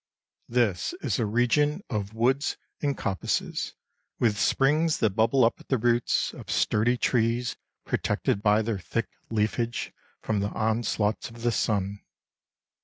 This is a region of woods and coppices, with springs that bubble up at the roots of sturdy trees, protected by their thick leafage from the onslaughts of the sun.